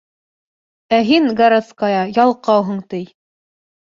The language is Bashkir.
Ә һин, городская, ялҡауһың, ти.